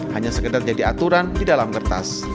hanya sekedar jadi aturan di dalam kertas